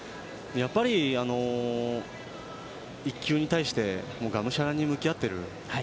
やっぱり１球に対してがむしゃらに向き合っている。